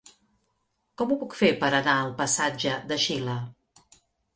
Com ho puc fer per anar al passatge de Xile?